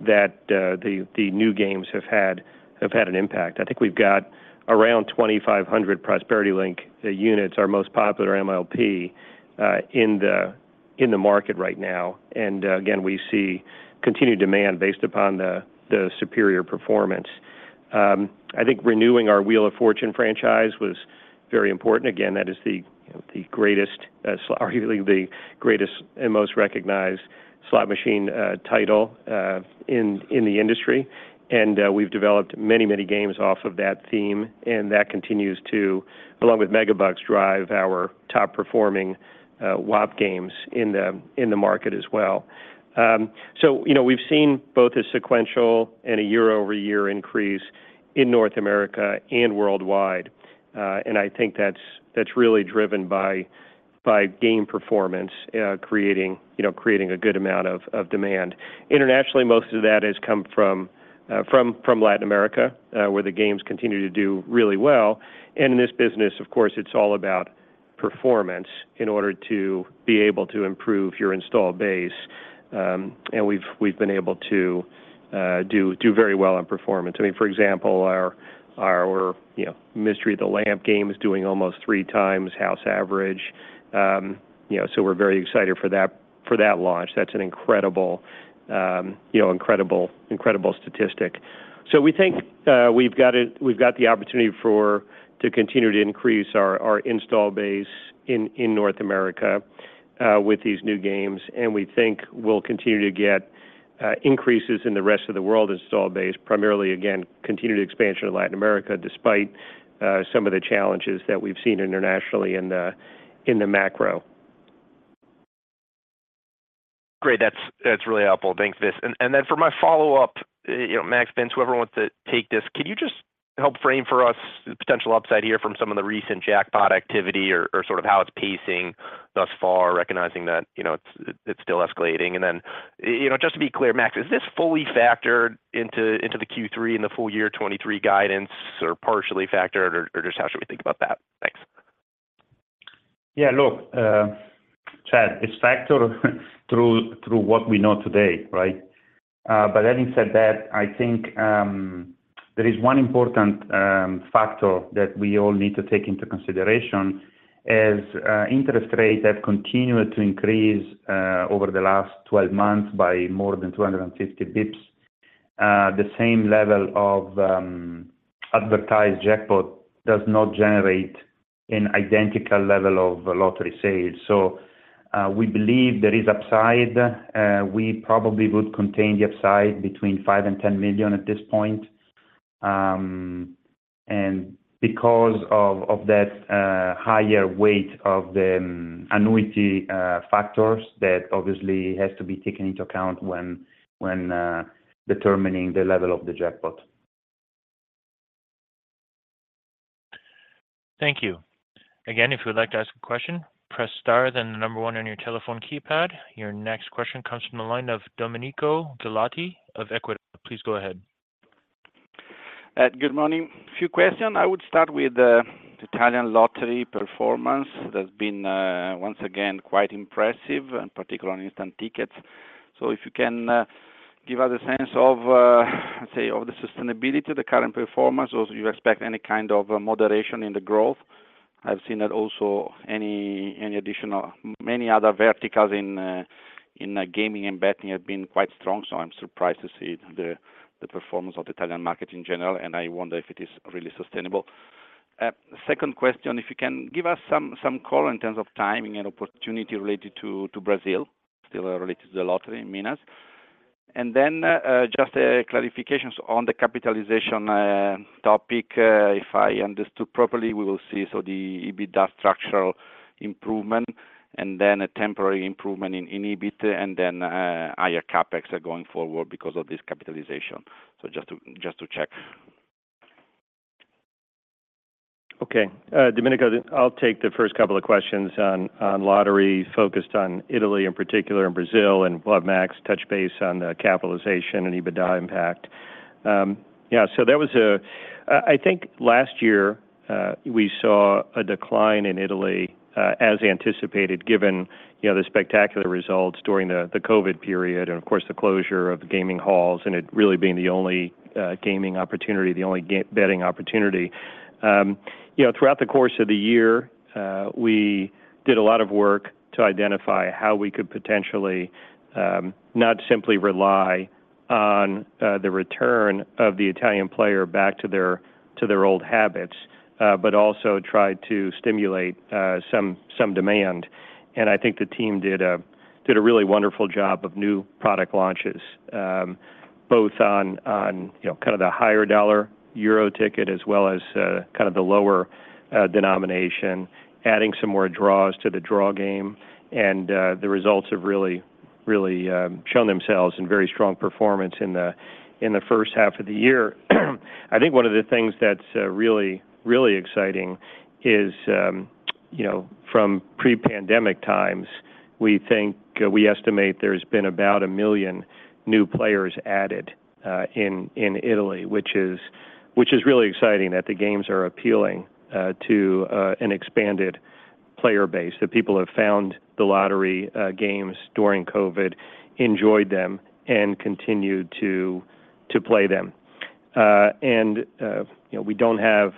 that the new games have had an impact. I think we've got around 2,500 Prosperity Link units, our most popular MLP, in the market right now, and again, we see continued demand based upon the superior performance. I think renewing our Wheel of Fortune franchise was very important. Again, that is the greatest slot, arguably the greatest and most recognized slot machine title, in the industry. We've developed many, many games off of that theme, and that continues to, along with MegaBucks, drive our top-performing WAP games in the market as well. You know, we've seen both a sequential and a year-over-year increase in North America and worldwide, and I think that's, that's really driven by, by game performance, creating, you know, creating a good amount of, of demand. Internationally, most of that has come from, from Latin America, where the games continue to do really well. In this business, of course, it's all about performance in order to be able to improve your install base, and we've, we've been able to, do, do very well on performance. I mean, for example, our, our, you know, Mystery of the Lamp game is doing almost three times house average. You know, we're very excited for that, for that launch. That's an incredible, you know, incredible, incredible statistic. We think we've got the opportunity for, to continue to increase our, our install base in North America with these new games, and we think we'll continue to get increases in the rest of the world install base, primarily, again, continued expansion in Latin America, despite some of the challenges that we've seen internationally in the, in the macro. Great. That's really helpful. Thanks, Vince. Then for my follow-up, you know, Max, Vince, whoever wants to take this, can you just help frame for us the potential upside here from some of the recent jackpot activity or sort of how it's pacing thus far, recognizing that, you know, it's still escalating? Then, you know, just to be clear, Max, is this fully factored into the Q3 and the full year 2023 guidance or partially factored, or just how should we think about that? Thanks. Yeah, look, Chad Beynon, it's factored through, through what we know today, right? Having said that, I think there is one important factor that we all need to take into consideration, as interest rates have continued to increase over the last 12 months by more than 250 basis points, the same level of advertised jackpot does not generate an identical level of lottery sales. We believe there is upside. We probably would contain the upside between $5 million-$10 million at this point. And because of, of that, higher weight of the annuity factors, that obviously has to be taken into account when, when determining the level of the jackpot. Thank you. Again, if you would like to ask a question, press Star, then 1 on your telephone keypad. Your next question comes from the line of Domenico Ghilardi of Equita. Please go ahead. Good morning. Few questions. I would start with the Italian lottery performance. That's been once again, quite impressive, and particularly on instant tickets. If you can give us a sense of the sustainability, the current performance, or do you expect any kind of moderation in the growth? I've seen that also many other verticals in gaming and betting have been quite strong. I'm surprised to see the performance of the Italian market in general, and I wonder if it is really sustainable. Second question, if you can give us some call in terms of timing and opportunity related to Brazil, still related to the lottery in Minas. Just clarifications on the capitalization topic. If I understood properly, we would see, so the EBITDA structural improvement and then a temporary improvement in, in EBIT and then higher CapEx going forward because of this capitalization. just to, just to check. Okay. Domenico, I'll take the first couple of questions on, on lottery, focused on Italy in particular in Brazil, and we'll have Max touch base on the capitalization and EBITDA impact. Yeah, so there was a... I, I think last year, we saw a decline in Italy, as anticipated, given, you know, the spectacular results during the COVID-19 period and of course, the closure of the gaming halls, and it really being the only gaming opportunity, the only betting opportunity. You know, throughout the course of the year, we did a lot of work to identify how we could potentially, not simply rely on the return of the Italian player back to their, to their old habits, but also try to stimulate some, some demand. I think the team did a really wonderful job of new product launches, both on, you know, kind of the higher dollar euro ticket, as well as kind of the lower denomination, adding some more draws to the draw game, and the results have really, really shown themselves in very strong performance in the first half of the year. I think one of the things that's really, really exciting is, you know, from pre-pandemic times, we think, we estimate there's been about 1 million new players added in Italy, which is really exciting that the games are appealing to an expanded player base. That people have found the lottery games during COVID, enjoyed them, and continued to play them. You know,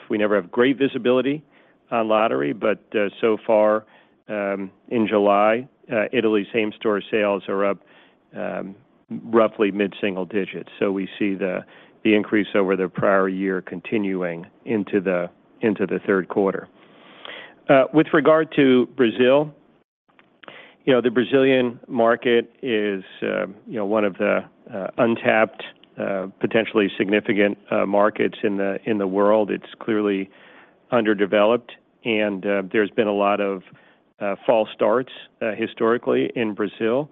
we never have great visibility on lottery, but so far, in July, Italy's same-store sales are up roughly mid-single digits. We see the increase over the prior year continuing into the third quarter. With regard to Brazil, you know, the Brazilian market is, you know, one of the untapped, potentially significant markets in the world. It's clearly underdeveloped, there's been a lot of false starts historically in Brazil.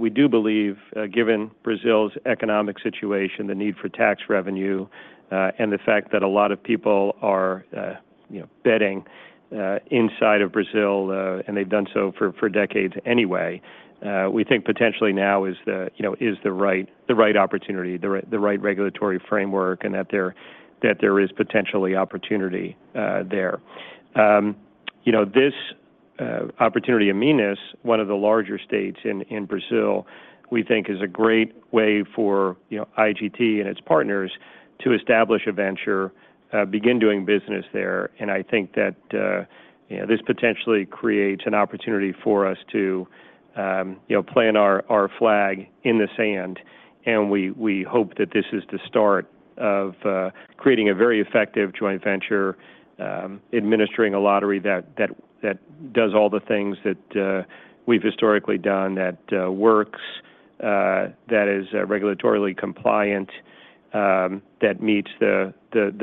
we do believe, given Brazil's economic situation, the need for tax revenue, and the fact that a lot of people are, you know, betting, inside of Brazil, and they've done so for, for decades anyway, we think potentially now is the, you know, is the right, the right opportunity, the right, the right regulatory framework and that there, that there is potentially opportunity, there. You know, this opportunity in Minas, one of the larger states in, in Brazil, we think is a great way for, you know, IGT and its partners to establish a venture, begin doing business there. I think that, you know, this potentially creates an opportunity for us to, you know, plant our flag in the sand, and we hope that this is the start of creating a very effective joint venture, administering a lottery that does all the things that we've historically done, that works, that is regulatorily compliant, that meets the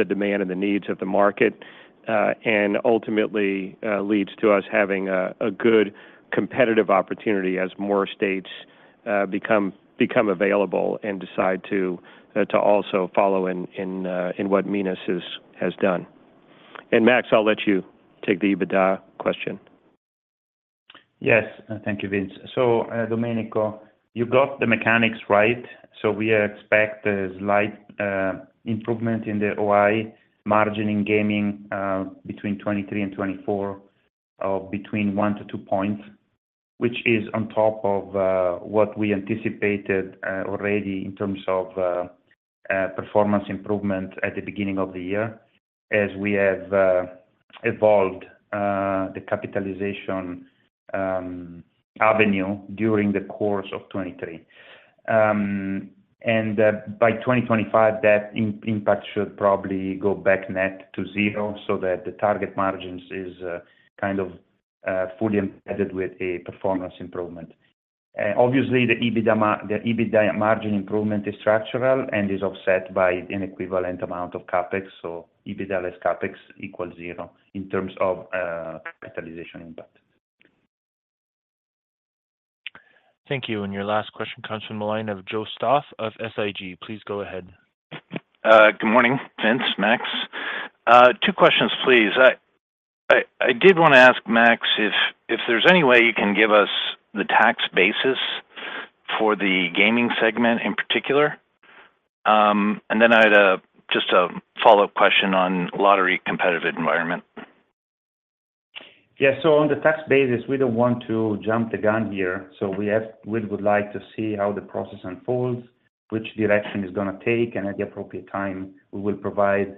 demand and the needs of the market, and ultimately leads to us having a good competitive opportunity as more states become available and decide to also follow in what Minas Gerais has done. Max, I'll let you take the EBITDA question. Yes. Thank you, Vince. Domenico, you got the mechanics right. We expect a slight improvement in the OI margin in gaming between 2023 and 2024, of between 1 to 2 points, which is on top of what we anticipated already in terms of performance improvement at the beginning of the year, as we have evolved the capitalization avenue during the course of 2023. By 2025, that impact should probably go back net to 0 so that the target margins is kind of fully embedded with a performance improvement. Obviously, the EBITDA margin improvement is structural and is offset by an equivalent amount of CapEx, so EBITDA less CapEx equals 0 in terms of capitalization impact. Thank you. Your last question comes from the line of Joe Stauff of SIG. Please go ahead. Good morning, Vince Sadusky, Massimiliano Chiara. 2 questions, please. I did want to ask Massimiliano Chiara if there's any way you can give us the tax basis for the gaming segment in particular. Then I had a just a follow-up question on lottery competitive environment. Yeah. On the tax basis, we don't want to jump the gun here, so we would like to see how the process unfolds, which direction it's gonna take, and at the appropriate time, we will provide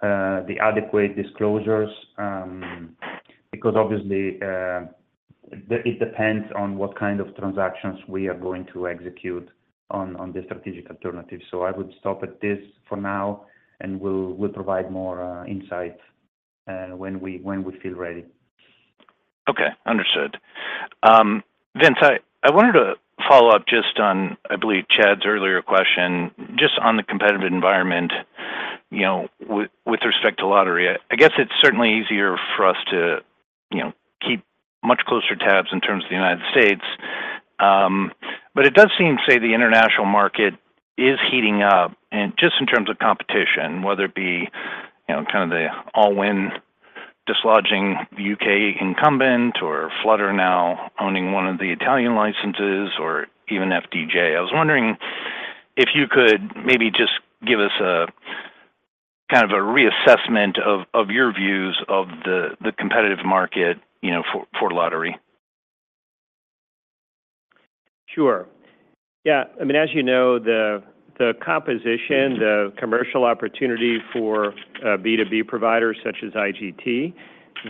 the adequate disclosures. Because obviously, it depends on what kind of transactions we are going to execute on, on the strategic alternative. I would stop at this for now, and we'll, we'll provide more insight when we, when we feel ready. Okay, understood. Vince, I, I wanted to follow up just on, I believe, Chad's earlier question, just on the competitive environment, you know, with, with respect to lottery. I guess it's certainly easier for us to, you know, keep much closer tabs in terms of the United States. It does seem to say the international market is heating up, and just in terms of competition, whether it be, you know, kind of the Allwyn dislodging the UK incumbent or Flutter now owning one of the Italian licenses or even FDJ. I was wondering if you could maybe just give us a, kind of a reassessment of, of your views of the, the competitive market, you know, for, for lottery. Sure. Yeah, I mean, as you know, the, the composition, the commercial opportunity for B2B providers such as IGT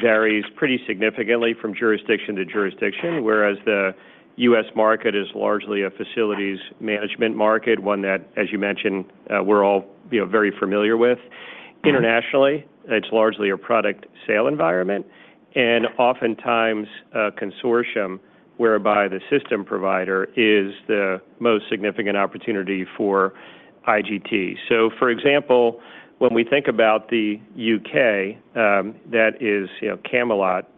varies pretty significantly from jurisdiction to jurisdiction, whereas the U.S. market is largely a facilities management market, one that, as you mentioned, we're all, you know, very familiar with. Internationally, it's largely a product sale environment, and oftentimes a consortium whereby the system provider is the most significant opportunity for IGT. For example, when we think about the UK, that is, you know, Camelot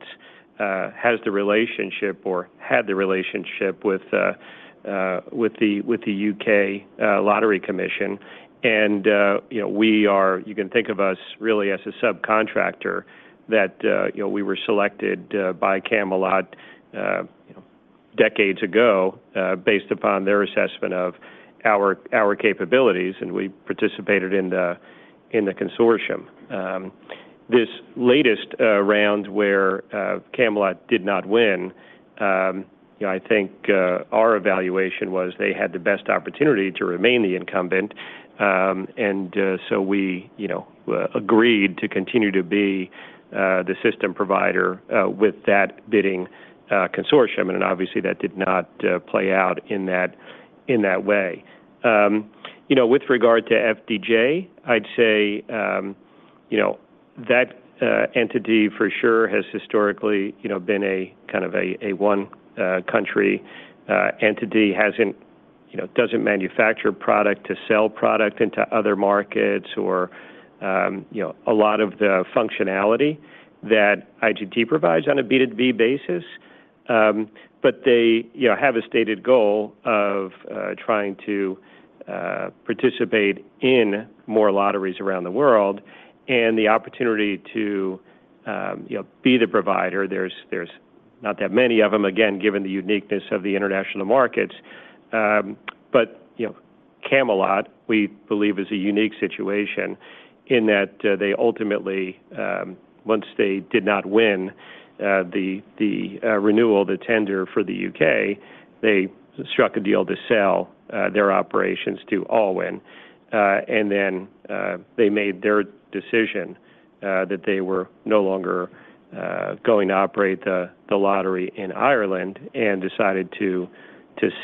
has the relationship or had the relationship with the, with the UK Gambling Commission. You know, we are-- You can think of us really as a subcontractor that, you know, we were selected by Camelot decades ago, based upon their assessment of our, our capabilities, and we participated in the, in the consortium. This latest round where Camelot did not win, you know, I think our evaluation was they had the best opportunity to remain the incumbent. We, you know, agreed to continue to be the system provider with that bidding consortium, and obviously, that did not play out in that, in that way. You know, with regard to FDJ, I'd say, you know, that entity for sure has historically, you know, been a kind of a one country entity, hasn't, you know, doesn't manufacture product to sell product into other markets or, you know, a lot of the functionality that IGT provides on a B2B basis. They, you know, have a stated goal of trying to participate in more lotteries around the world and the opportunity to, you know, be the provider. There's, there's not that many of them, again, given the uniqueness of the international markets. You know, Camelot, we believe, is a unique situation in that they ultimately, once they did not win the renewal, the tender for the UK, they struck a deal to sell their operations to Allwyn. Then they made their decision that they were no longer going to operate the lottery in Ireland and decided to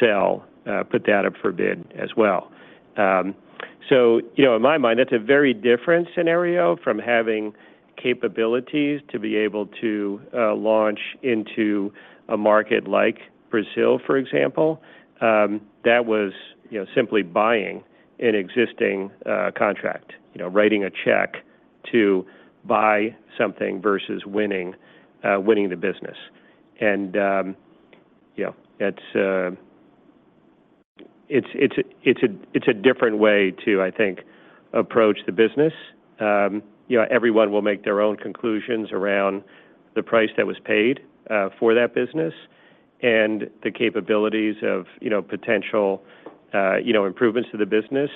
sell, put that up for bid as well. So you know, in my mind, that's a very different scenario from having capabilities to be able to launch into a market like Brazil, for example. That was, you know, simply buying an existing contract, you know, writing a check to buy something versus winning, winning the business. And, you know, it's, it's, it's a, it's a different way to, I think, approach the business. You know, everyone will make their own conclusions around the price that was paid for that business and the capabilities of, you know, potential, you know, improvements to the business.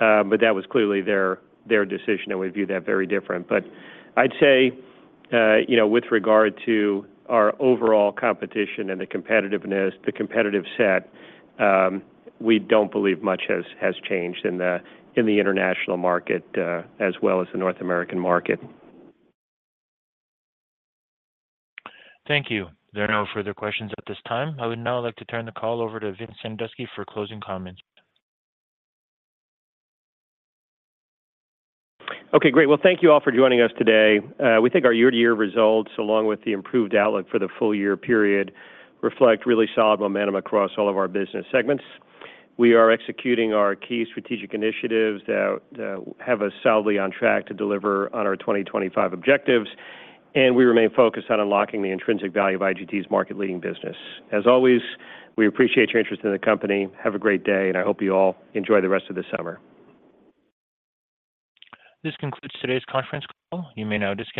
That was clearly their, their decision, and we view that very different. I'd say, you know, with regard to our overall competition and the competitiveness, the competitive set, we don't believe much has, has changed in the, in the international market, as well as the North American market. Thank you. There are no further questions at this time. I would now like to turn the call over to Vince Sadusky for closing comments. Okay, great. Well, thank you all for joining us today. We think our year-over-year results, along with the improved outlook for the full-year period, reflect really solid momentum across all of our business segments. We are executing our key strategic initiatives that have us solidly on track to deliver on our 2025 objectives, and we remain focused on unlocking the intrinsic value of IGT's market-leading business. As always, we appreciate your interest in the company. Have a great day, and I hope you all enjoy the rest of the summer. This concludes today's conference call. You may now disconnect.